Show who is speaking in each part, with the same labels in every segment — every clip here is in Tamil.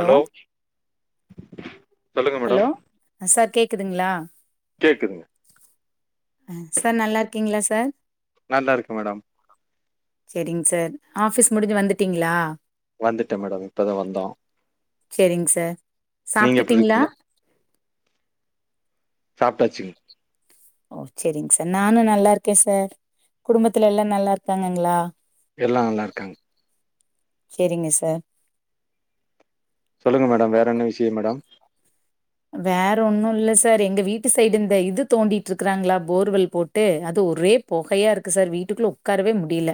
Speaker 1: ஹலோ சொல்லுங்க மேடம்
Speaker 2: ஹலோ சார் கேக்துங்களா
Speaker 1: கேக்குதுங்க
Speaker 2: ஆ சார் நல்லா இருக்கீங்களா சார்
Speaker 1: நல்லா இருக்கு மேடம்
Speaker 2: செரிங் சார் ஆஃபீஸ் முடிஞ்சு வந்துட்டீங்களா
Speaker 1: வந்துட்டேன் மேடம் இப்ப தா வந்தோ
Speaker 2: செரிங் சார்
Speaker 1: நீங்க எப்டி
Speaker 2: சாப்ட்டுட்டீங்களா
Speaker 1: இருக்கீங்க சாப்ட்டாச்சுங்க
Speaker 2: ஓ செரிங் சார் நானு நல்லா இருக்கேன் சார் குடும்பத்துல எல்லா நல்லா இருக்காங்கங்களா
Speaker 1: எல்லா நல்லாருக்காங்க
Speaker 2: செரிங்க சார்
Speaker 1: சொல்லுங்க மேடம் வேற என்ன விஷயம் மேடம்
Speaker 2: வேற ஒன்னு இல்ல சார் எங்க வீட்டு சைடு இந்த இது தோண்டிட்டு இருக்குறாங்களா போர்வல் போட் ட்டு அது ஒரே பொகையா இருக்கு சார் வீட்டுக்குள்ள உக்காரவே முடியில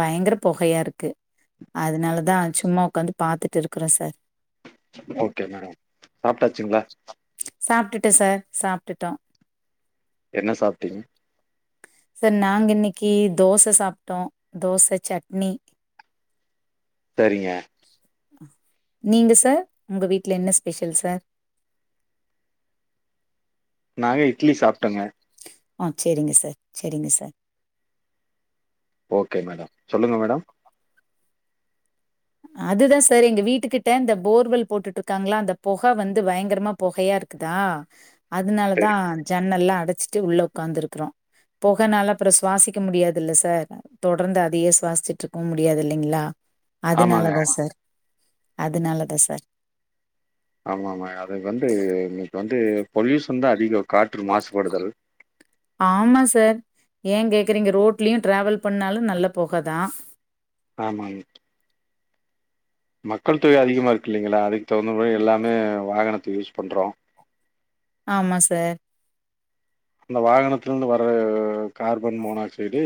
Speaker 2: பயங்கர பொகையா இருக்கு அதனால தா சும்மா உக்காந்து பாத்துட்டு இருக்குறோ சார்
Speaker 1: ஓகே மேடம் சாப்ட்டாசுங்ளா
Speaker 2: சாப்ட்டுட்டேன் சார் சாப்ட்டுட்டோ
Speaker 1: என்ன சாப்ட்டீங்க
Speaker 2: சார் நாங்க இன்னிக்கு தோச சாப்ட்டோ தோச சட்னி
Speaker 1: சரிங்க
Speaker 2: நீங்க சார் உங்க வீட்ல என்ன ஸ்பெஷல் சார்
Speaker 1: நாங்க இட்லி சாப்ட்
Speaker 2: ஆ சேரிங்க சார் சேரிங்க சார்
Speaker 1: ஓகே மேடம் சொல்லுங்க மேடம்
Speaker 2: அதுதா சார் எங்க வீட்டுக்கிட்ட இந்த போர்வெல் போட்டுட்ருக்காங்ளா அந்த பொக வந்து பயங்கரமா பொகையாருக்கு க்குதா அதனாலதா
Speaker 1: சரி
Speaker 2: ஜன்னல்லா அடச்சிட்டு உள்ள உக்காந்துருக்கிறோ பொகனால அப்றோ சுவாசிக்க முடியாதுல்ல சார் தொடர்ந்து அதையே சுவாசிச்சிட்ருக்கவு முடியாது இல்லைங்ளா
Speaker 1: ஆமாங்க
Speaker 2: அதுனாலதா சார் அதுனாலதா சார்
Speaker 1: ஆமாமா அது வந்து இன்னைக்கு வந்து பொல்யூஷன் தா அதிகோ காற்று மாசுபடுதல்
Speaker 2: ஆமா சார் ஏன் கேக்றீங்க ரோட்லயு டிராவல் பண்ணாலு நல்ல பொகதா
Speaker 1: ஆமாங் மக்கள் தொகை அதிகமாருக்கு இல்லைங்களா அதுக்கு தகுந்தமாறி எல்லாமே வாகனத்த யூஸ் பண்றோ
Speaker 2: ஆமா சார்
Speaker 1: இந்த வாகனத்திலருந்து வர கார்பன் மோனாக்சைடு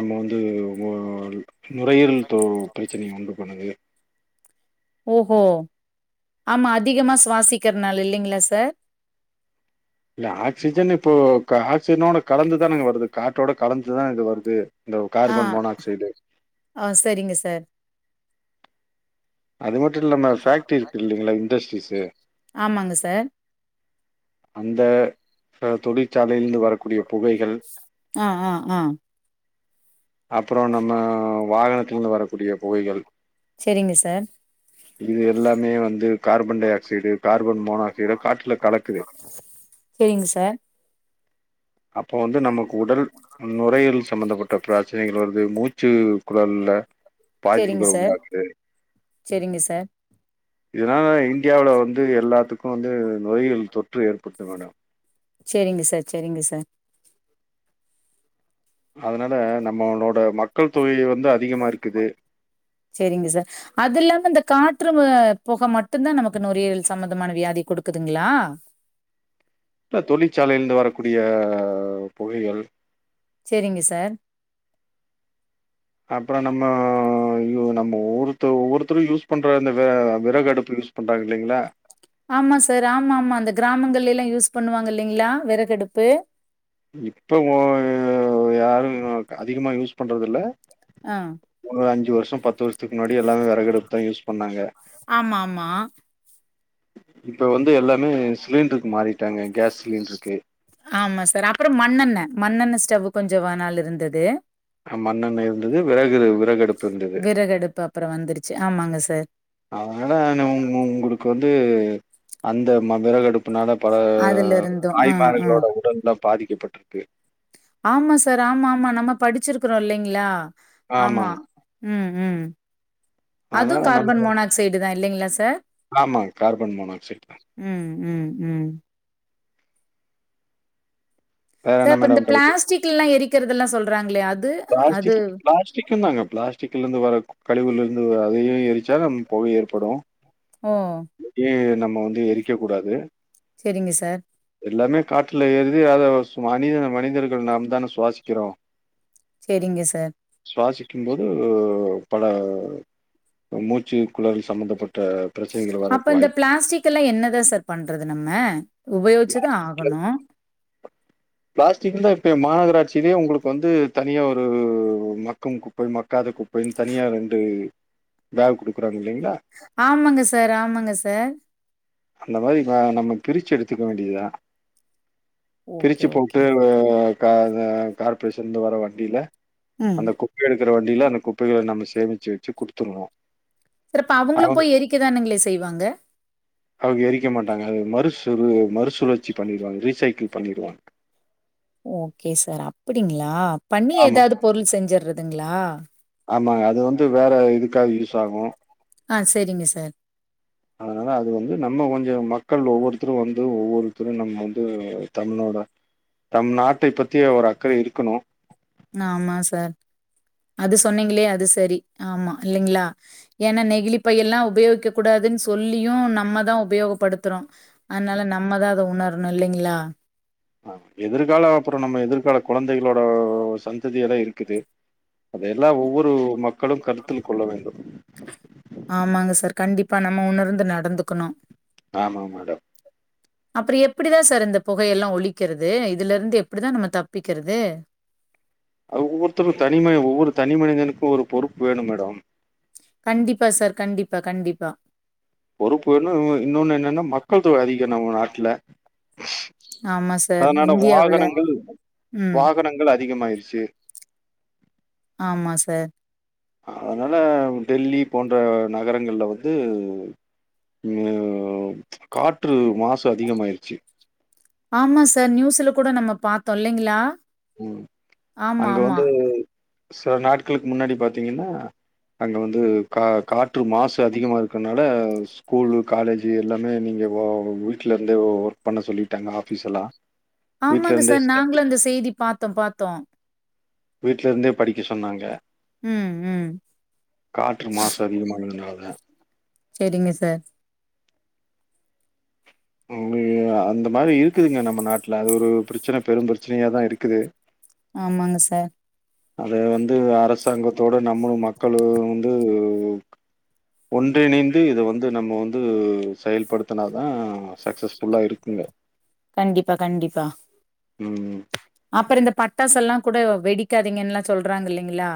Speaker 1: நம்ம வந்து நு நுரையீரல் பு பிரச்சனைய உண்டு பண்ணுது
Speaker 2: ஓஹோ ஆமா அதிகமா சுவாசிக்கிறனாள இல்லைங்ளா சார்
Speaker 1: இல்ல ஆக்சிஜன் இப்போ ஆக்சிஜனோட கலந்துதானங்க வருது காற்றோட கலந்துதா இது வருது இந்த
Speaker 2: ஆ,
Speaker 1: கார்பன் மோனாக்சைடு
Speaker 2: ஆ செரிங்க சார்
Speaker 1: அது மட்டு இல்லாம ஃபேக்டரி இருக்கு இல்லலைங்களா இண்டஸ்ட்ரீஸு
Speaker 2: ஆமாங்க சார்
Speaker 1: அந்த அ தொழிற்சாலையிலிருந்து வரக்
Speaker 2: ஆ ஆ ஆ
Speaker 1: அப்புறொ நம்ம வாகனத்திலிருந்து வரக்கூடிய புகைகள்
Speaker 2: செரிங்க சார்
Speaker 1: இது எல்லாமே வந்து carbon dioxide carbon monoxide காற்றுல கலக்குது
Speaker 2: செரிங்க சார்
Speaker 1: அப்போ வந்து நமக்கு உடல் நுரையீரல் சம்பந்தப்பட்ட பிரச்சனைகள் வருது மூச் ச்சு குழல்ல
Speaker 2: சரிங்க
Speaker 1: பாதிப்புகள்
Speaker 2: சார்,
Speaker 1: உண்டாக்குது
Speaker 2: சரிங்க சார்,
Speaker 1: இதனால இண்டியாவுல வந்து எல்லாத்துக்கு வந்து நுரையீரல் தொற்று ஏற்படுது மேடம்
Speaker 2: செரிங்க சார் செரிங்க சார்
Speaker 1: அதுனால நம்மளோட மக்கள் தொகை வந்து அதிகமா இருக்குது
Speaker 2: செரிங்க சார் அதுல்லாம இந்த காற்று ம புக மட்டுந்தா நமக்கு நுரையீரல் சம்மந்தமான வியாதி குடுக்குதுங்களா
Speaker 1: இப்ப தொழிற்சாலையிலிருந்து வரக்கூடிய புகைகள்
Speaker 2: செரிங்க சார்
Speaker 1: அப்பறோ நம்ம நம்ம ஒவ்வொருத்த ஒவ்வொருத்தரும் யூஸ் பண்ற அந்த வெ விறகு அடுப்பு யூஸ் பண்றாங்க இல்லைங்ளா
Speaker 2: ஆமா சார் ஆமா ஆமா இந்த கிராமங்கலெல்லா யூஸ் பண்ணுவாங்க இல்லைங்களா வெறகடுப்பு
Speaker 1: இப்ப ஓ யா யாரு அதிகமா யூஸ் பண்றது இல்ல
Speaker 2: ஆ.
Speaker 1: ஒ அஞ்சு வர்ஷோ பத்து வருஷத்துக்கு முன்னாடி எல்லாமே வெறகடுப்பு தா யூஸ் பண்ணாங்க
Speaker 2: ஆமா ஆமா
Speaker 1: இப்ப வந்து எல்லாமே சிலிண்ட்ருக்கு மாறிட்டாங்க கேஸ் சிலிண்ட்ருக்கு
Speaker 2: ஆமா சார் அப்பறோ மண்ணெண்ண மண்ணெண்ண ஸ்டவ் கொஞ்ச வ நாள் இருந்தது
Speaker 1: மண்ணெண்ண இருந்தது, விறகு விறகடுப்பு இருந்தது.
Speaker 2: விறகு அடுப்பு அப்பறோ வந்துருச்சு ஆமாங்க சார்
Speaker 1: அதுனால நா உ உங்களுக்கு வந்து அந்த ம விறகு அடுப் இப்புன்னாத பல
Speaker 2: அதுல இருந்தும் ஆ ஆ
Speaker 1: தாய்மார்களோட உடல்லா பாதிக்கப்பட்ருக்கு
Speaker 2: ஆமா சார் ஆமா ஆமா நம்ம படிச்சுருக்குறோ இல்லைங்களா ஆமா
Speaker 1: ஆமாங்
Speaker 2: ம் ம் அதுவு
Speaker 1: அதனால
Speaker 2: கார்பன் மோனாக்சைடு தா இல்லைங்ளா சார்
Speaker 1: ஆமாங்க கார்பன் மோனாக்சைடு் தா
Speaker 2: ம் ம் ம்
Speaker 1: வேற
Speaker 2: சார்
Speaker 1: என்ன
Speaker 2: இப்ப இந்த
Speaker 1: மேடம் டவுட்டு
Speaker 2: பிளாஸ்டிக்குல்லா எரிக்கிறதுதெல்லா சொல்றாங்களோ அது அது
Speaker 1: ப்ளாஸ்டிக் ப்ளாஸ்டிக் க்குந்தாங்க ப்ளாஸ்டிக்லருந்து வர கழிவுல இருந்து அதையே எரிச்சா நமக்கு புகை ஏற்படு
Speaker 2: ஓ
Speaker 1: ஏன் நம்ம வந்து எரிக்க கூடாது
Speaker 2: செரிங்க சார்
Speaker 1: எல்லாமே காற்றுல ஏரியுது அத மனித மனிதர்கள் நாம் தான சுவாசிக்கிறோ
Speaker 2: செரிங்க சார்
Speaker 1: சுவாசிக்கும் போது பல மூச்சு குழல் சம்பந்தப்பட்ட ப்ரச்
Speaker 2: அப்ப இந்த பிளாஸ்டிக்கல்லா என்னதா சார் பண்றது நம்ம உபயோகிச்சுதா ஆகணு
Speaker 1: ப்ளாஸ்டிக் தா இப்ப மாநகராட்சியிலேயே உங்களுக்கு வந்து தனியா ஒரு மக்கம் குப்பை மக்காத குப் பைனு தனியா ரெண்டு ஃபேக் குடுக்குறாங்க இல்லைங்களா
Speaker 2: ஆமாங்க சார் ஆமாங்க சார்
Speaker 1: அந்த மாரி ந நம்ம பிரிச்சு எடுத்துக்க வேண்டியதுதா
Speaker 2: ஓகே
Speaker 1: பிரிச்சு
Speaker 2: ஓகே
Speaker 1: போட்டு வ க அத கார்ப்பரேஷந்து வர வண்டில
Speaker 2: ம்
Speaker 1: அந்த குப் குப்பை எடுக்குற வண்டில அந்த குப்பைகள நம்ம சேமிச்சு வச்சு குடுத்துர்ணு
Speaker 2: துறப்ப அவுங்களு போய் எரிக்கதானுங்களே செய்வாங்க
Speaker 1: அவுங்க எரிக்க மாட்டாங்க அது மறுசு மறுசுழற்சி பண்ணிருவாங்க ரீசைக்கிள் பண்ணிருவாங்க
Speaker 2: ஓகே சார் அப்புடிங்களா பண்ணி
Speaker 1: ஆமா
Speaker 2: எதாவது பொருள் செஞ்சர்றதுங்களா
Speaker 1: ஆமாங்க அது வந்து வேற இதுக்காது யூஸ் ஆகு
Speaker 2: ஆ செரிங்க சார்
Speaker 1: அதனால அது வந்து நம்ம கொஞ்சோ மக்கள் ஒவ்வொருத்தரு வந்து ஒவ்வொருத்தரு நம்ம வந்து தமிழ்நாட தம் நாட்டை பத்திய ஒரு அக்கறை இருக்கணு
Speaker 2: ஆமா சார் அது சொன்னீங்களே அது சரி ஆமா இல்லைங்களா ஏனா நெகிழிப்பை எல்லா உபயோகிக்க கூடாதுன்னு சொல்லியு நம்மதா உபயோகப்படுத்துறோ அதனால நம்ம தா அத உணரணு இல்லைங்களா
Speaker 1: ஆ எதிர்கால அப்புறம் நம்ம எதிர்கால குழந்தைகளோட சந்ததியெல்லா இருக்குது அதயெல்லா ஒவ்வொரு மக்களும் கருத்தில் கொள்ள வேண்டும்
Speaker 2: ஆமாங்க சார் கண்டிப்பா நம்ம உணர்ந்து நடந்துக்கணு
Speaker 1: ஆமா மேடம்
Speaker 2: [inaudible] அப்புற எப்டிதா சார் இந்த புகையெல்லா ஒழிக்கிறது இதுல இருந்து எப்டிதா நம்ம தப்பிக்கிறது
Speaker 1: அது ஒவ்வொருத்தரும் தனிமைய ஒவ்வொரு தனி மனிதனுக்கு ஒரு பொறுப்பு வேணு மேடம்
Speaker 2: கண்டிப்பா சார் கண்டிப்பா கண்டிப்பா
Speaker 1: பொறுப்பு வேணு இன்னொன்னு என்னன்னா மக்கள் தொகை அதிகம் நம்ம நாட்டுல
Speaker 2: ஆமா சார்.
Speaker 1: அதனால
Speaker 2: இந்தியாவுல
Speaker 1: வாகனங்கள்
Speaker 2: ம்.
Speaker 1: வாகனங்கள் அதிகமாயிருச்சி
Speaker 2: ஆமா சார்
Speaker 1: அதனால டெல்லி போன்ற நகரங்கள்ல வந்து இன்னு காற்று மாசு அதிகமயிருச்சி
Speaker 2: ஆமா சார் நியூஸ்ல கூட நம்ம பார்த்தோ இல்லைங்களா
Speaker 1: ம்
Speaker 2: ஆமா,
Speaker 1: அங்க
Speaker 2: ஆமா.
Speaker 1: வந்து சில நாட்களுக்கு முன்னாடி பாத்தீங்கன்னா அங்க வந்து கா காற்று மாசு அதிகமா இருக்கனால ஸ்கூலு காலேஜு எல்லாமே நீங்க வீட்லருந்தே ஒர்க் பண்ண சொல்லிட்டாங்க ஆஃபீஸ் எல்லா வீட்ல
Speaker 2: ஆமாங்க
Speaker 1: இருந்தே
Speaker 2: சார்
Speaker 1: ஸ்ட
Speaker 2: நாங்களு அந்த செய்தி பார்த்தோ பார்த்தோ
Speaker 1: வீட்ல இருந்தே படிக்க சொன்னாங்க
Speaker 2: ம், ம்.
Speaker 1: காற்று மாசு அதிகமானதுனால
Speaker 2: செரிங்க சார்
Speaker 1: அங்க அந்த மாரி இருக்குதுங்க நம்ம நாட்ல அது ஒரு ப்ரச்சன பெரும் ப்ரச்சனையாதா இருக்குது.
Speaker 2: ஆமாங்க சார்.
Speaker 1: அத வந்து அரசாங்கத்தோட நம்மளு மக்களு வந்து ஒன்றிணைந்து இத வந்து நம்ம வந்து செயல்படுத்துனா தா சக்ஸஸ்ஃபுல்லா இருக்குங்க.
Speaker 2: கண்டிப்பா கண்டிப்பா.
Speaker 1: ம்
Speaker 2: அப்பறோ இந்த பட்டாச எல்லா கூட வெடிக்காதீங்கன்னு எல்லா சொல்றாங்க இல்லீங்களா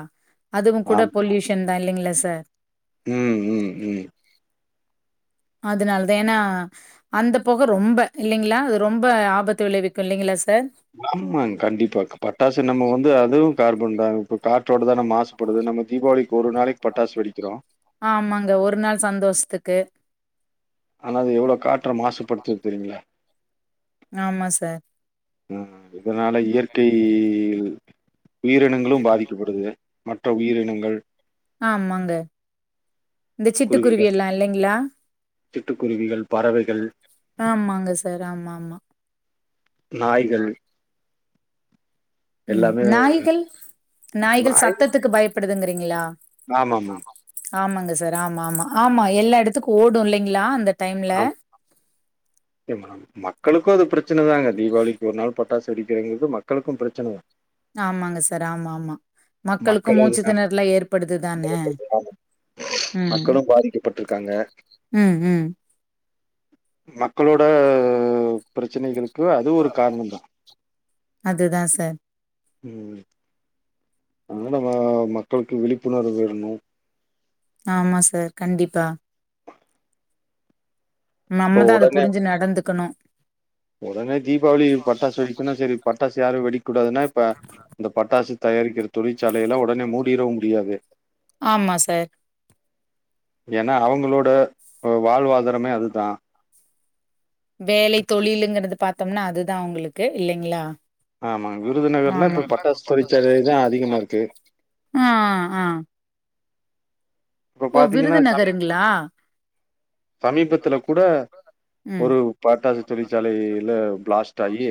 Speaker 2: அதுவு கூட
Speaker 1: ஆம்
Speaker 2: பொல்யூஷன் தா இல்லீங்களா சார்.
Speaker 1: ம் ம் ம்
Speaker 2: அதுனாலதா ஏனா அந்த பொக ரொம்ப இல்லீங்களா அது ரொம்ப ஆபத்து விளைவிக்கு இல்லீங்களா சார்.
Speaker 1: ஆமாங் கண்டிப்பா பட்டாசு நம்ம வந்து அதுவு கார்பன் தா. இப்ப காற்றோட தான மாசுபடுது நம்ம தீபாவளி ஒரு நாளைக்கு பட்டாசு வெடிக்கிறோ.
Speaker 2: ஆமாங்க ஒரு நாள் சந்தோஷ்த்துக்கு
Speaker 1: ஆனா அது எவ்ளோ காற்ற மாசுபடுத்துது தெரியுங்ளா
Speaker 2: ஆமா சார்
Speaker 1: ஆ இதுனால இயற்கை உயிரினங்களு பாதிக்கப்படுது. மற்ற உயிரினங்கள்
Speaker 2: ஆமாங்க இந்த சிட்டுக்குருவி
Speaker 1: குருவிகள்,
Speaker 2: எல்லா இல்லெங்ளா
Speaker 1: சிட்டுக்குருவிகள், பறவைகள்,
Speaker 2: ஆமாங்க சார் ஆமா ஆமா
Speaker 1: நாய்கள்
Speaker 2: ம்
Speaker 1: எல்லாமே
Speaker 2: நாய்கள். நாய்கள்
Speaker 1: நாய்
Speaker 2: சத்தத்துக்கு பயப்படுதுங்றீங்களா.
Speaker 1: ஆமாமா.
Speaker 2: ஆமாங்க சார். ஆமா ஆமா. ஆமா எல்லா எடத்துக்கு ஓடு இல்லெங்களா அந்த டைம்ல.
Speaker 1: எமாம் மக்களுக்கு அது ப்ரெச்சனதாங்க. தீபாவளிக்கு ஒரு நாள் பட்டாசு வெடிக்கிறங்கிறது மக்களுக்கு ப்ரெச்சனதா.
Speaker 2: ஆமாங்க சார். ஆமா ஆமா. மக்களுக்கு
Speaker 1: மக்களும்
Speaker 2: மூச்சு திணறுலா ஏற்படுது தானே.
Speaker 1: மக்களு பாதிக்கப்பட்ருக்காங்க.
Speaker 2: ம் ம்
Speaker 1: மக்களோட ப்ரெச்சனைகளுக்கு அது ஒரு காரணோ தா.
Speaker 2: அதுதா சார்.
Speaker 1: ம் ஒண்ணு நம்ம மக்களுக்கு விழிப்புணர்வு வெற்ணு.
Speaker 2: ஆமா சார். கண்டிப்பா.
Speaker 1: இப்ப
Speaker 2: நம்மதா அத
Speaker 1: ஒடனே
Speaker 2: புருஞ்சு நடந்துக்கணு.
Speaker 1: ஒடனே தீபாவளி பட்டாசு வெடிக்குன்னா செரி பட்டாசு யாரு வெடிக்க கூடாதுன்னா இப்ப இந்த பட்டாசு தயாரிக்கிற தொழிற்சாலை எல்லா ஒடனே மூடிறவு முடியாது.
Speaker 2: ஆமா சார்
Speaker 1: ஏனா அவுங்களோட வாழ்வாதாரமே அதுதா.
Speaker 2: வேலை தொழிலுங்குறது பாத்தொம்னா அதுதா அவ்ங்களுக்கு இல்லெங்களா.
Speaker 1: ஆமாங்க விருதுநகர்லா இப்ப பட்டாசு தொழிற்சாலை தா அதிகமா இருக்கு.
Speaker 2: ஆ ஆ
Speaker 1: இப்ப
Speaker 2: ஓ
Speaker 1: பாத்தீங்கன்னா சமீ
Speaker 2: விருதுநகருங்ளா
Speaker 1: சமீபத்துல கூட ஒரு பட்டாசு தொழிற்சாலை ல ப்ளாஸ்ட் ஆயி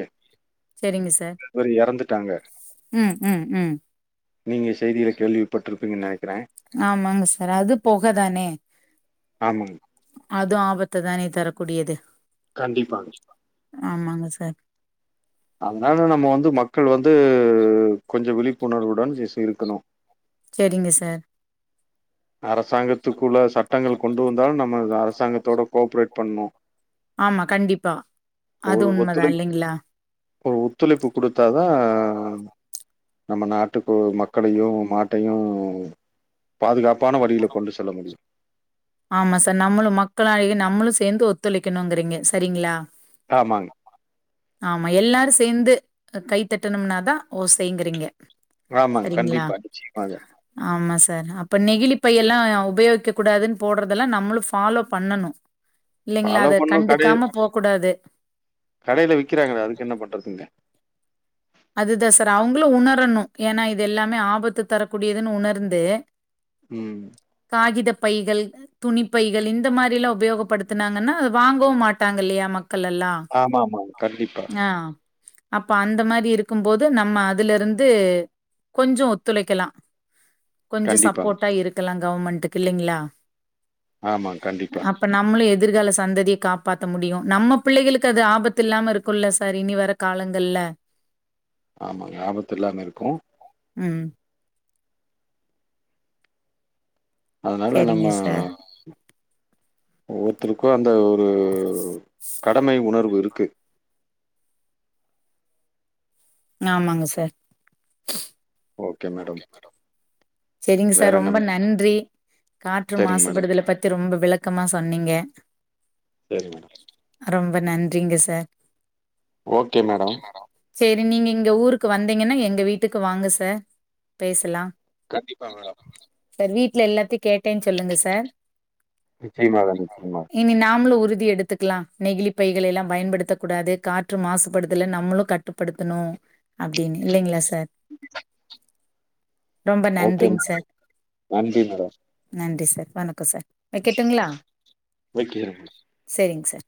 Speaker 2: செரிங்க சார்.
Speaker 1: இந்த மாரி எறந்துட்டாங்க.
Speaker 2: ம் ம் ம்
Speaker 1: நீங்க செய்தில கேள்விப்பட்டிருப்பீங்க நெனைக்கிறே
Speaker 2: ஆமாங்க சார் அது பொக தானே
Speaker 1: ஆமாங்
Speaker 2: அதும் ஆபத்த தானே தர கூடியது
Speaker 1: கண்டிப்பாங்
Speaker 2: ஆமாங்க சார்
Speaker 1: அதனால நம்ம வந்து மக்கள் வந்து கொஞ்சோ விழிப்புணர்வுடன் ஜெஸ்ட் இருக்கணு
Speaker 2: செரிங்க சார்
Speaker 1: அரசாங்கத்துக்குள்ள சட்டங்கள் கொண்டு வந்தாலு நம்ம அரசாங்கத்தோட கோஆப்ரேட் பண்ணோ
Speaker 2: ஆமா கண்டிப்பா
Speaker 1: ஓ
Speaker 2: அது உண்மதா
Speaker 1: ஒத்துழைப்
Speaker 2: இல்லைங்களா
Speaker 1: ஓ ஒத்துழைப்பு குடுத்தாதா நம்ம நாட்டுக்கு மக்களையு நாட்டையு பாதுகாப் பான வழியில கொண்டு செல்ல முடியு
Speaker 2: ஆமா சார் நம்மளு மக்களாகிய நம்மளு சேந்து ஒத்துழைக்கணுங்கிறீங்க செரிங்களா
Speaker 1: ஆமாங்
Speaker 2: ஆமா எல்லாரு சேந்து அ கைத்தட்டனும்னாதா ஓசைங்கறீங்க
Speaker 1: ஆமாங்க கண்டிப்பா நிச்சயமாக
Speaker 2: ஆமா சார் அப்ப நெகிளிப்பையெல்லா உபயோகிக்க கூடாதுன் போடுறதெல்லா நம்மளு ஃபாலோ பண்ணணு இல்லைங்களா
Speaker 1: ஃபாலோ
Speaker 2: அத
Speaker 1: பண்ணு
Speaker 2: கண்டுக்காம போகூடாது
Speaker 1: கடேல விக்கிறாங்களே அதுக்கு என்ன பண்றதுங்க
Speaker 2: அதுதா சார் அவுங்களு உணரணு ஏனா இது எல்லாமே ஆபத்து தரக்கூடியதுன்னு உணர்ந்து
Speaker 1: ம்
Speaker 2: காகிதப் பைகள் துணிப்பைகள் இந்த மாரி எல்லா உபயோகப் படுத்துனாங்கன்னா வாங்கவு மாட்டாங்க இல்லையா மக்கள் எல்லா
Speaker 1: ஆமா ஆமா கண்டிப்பா
Speaker 2: ஆ அப்ப அந்த மாரி இருக்கு போது நம்ம அதுல இருந்து கொஞ்சோ ஒத்துழைக்கலா கொஞ்சோ
Speaker 1: கண்டிப்பாங்க
Speaker 2: சப்போர்ட்டா இருக்கலா கவர்மெண்ட்டுக்கு இல்லைங்களா
Speaker 1: ஆமா கண்டிப்பா
Speaker 2: இப்ப நம்மளு எதிர்கால சந்ததிய காப்பாத்த முடியு நம்ம பிள்ளைகளுக்கு அது ஆபத்து இல்லாம இருக் குள்ள சார் இனி வர காலங்கள்ல
Speaker 1: ஆமாங்க ஆபத்து இல்லாம இருக்கு
Speaker 2: ம்
Speaker 1: அதனால நம்ம
Speaker 2: செரிங்க சார்
Speaker 1: ஒவ்வொருத்தருக்கு அந்த ஒரு கடமை உணர்வு இருக்கு
Speaker 2: ஆமாங்க சார்
Speaker 1: ஓகே மேடம்
Speaker 2: செரிங்க
Speaker 1: வேற
Speaker 2: சார்
Speaker 1: என்ன
Speaker 2: ரொம்ப
Speaker 1: மேடம்
Speaker 2: நன்றி காற்று
Speaker 1: சரிங்க மேடம்
Speaker 2: மாசுபடுதல பத்தி ரொம்ப விளக்கமா சொன்னீங்க
Speaker 1: செரி மேடம்
Speaker 2: ரொம்ப நன்றிங்க சார்
Speaker 1: ஓகே மேடம்
Speaker 2: செரி நீங்க இங்க ஊருக்கு வந்தீங்கன்னா எங்க வீட்டுக்கு வாங்க சார் பேசலா
Speaker 1: கண்டிப்பா மேடம்
Speaker 2: சார் வீட்ல எல்லாத்தையு கேட்டேன்னு சொல்லுங்க சார்
Speaker 1: நிச்சயமாக நிச்சயமா
Speaker 2: இனி நாமளு உறுதி எடுத்துக்கலா நெகிளிப்பைகளை எல்லா பயன்படுத்தக் கூடாது காற்று மாசுபடுதல நம்மளு க ட்டுப்படுத்தணு அப்டினு இல்லைங்களா சார் ரொம்ப
Speaker 1: ஓகே
Speaker 2: நன்றிங்
Speaker 1: மேடம்
Speaker 2: சார்
Speaker 1: நன்றி மேடம்
Speaker 2: நன்றி சார் வணக்கோ சார் வெக்கட்டுங்களா
Speaker 1: வைக்கிறே
Speaker 2: செரிங்க சார்